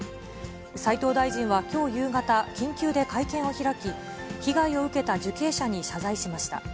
斎藤大臣はきょう夕方、緊急で会見を開き、被害を受けた受刑者に謝罪しました。